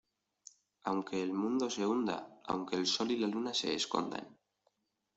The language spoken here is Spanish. aunque el mundo se hunda, aunque el Sol y la Luna se escondan